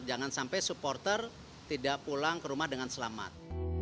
jangan sampai supporter tidak pulang ke rumah dengan selamat